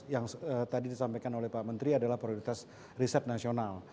yang tadi disampaikan oleh pak menteri adalah prioritas riset nasional